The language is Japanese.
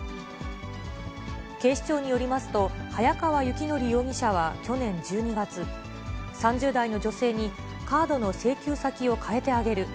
警視庁によりますと、早川幸範容疑者は去年１２月、３０代の女性に、カードの請求先を変えてあげる。